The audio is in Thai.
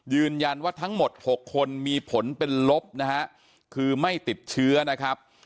ทั้งหมด๖คนมีผลเป็นลบนะฮะคือไม่ติดเชื้อนะครับ